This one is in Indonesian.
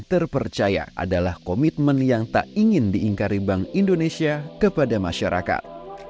terpercaya adalah komitmen yang tak ingin diingkari bank indonesia kepada masyarakat